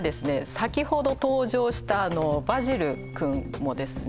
先ほど登場したバジルくんもですね